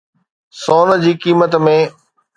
سون جي قيمت ۾